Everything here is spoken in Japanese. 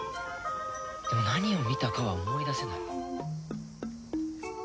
でも何を見たかは思い出せない。